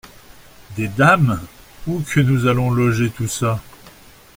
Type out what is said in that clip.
Des dames ! où que nous allons loger tout ça ?